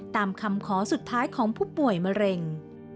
ตามคำขอสุดท้ายของผู้ป่วยมะเร็ง